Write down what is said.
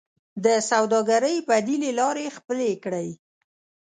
د سوداګرۍ بدیلې لارې خپلې کړئ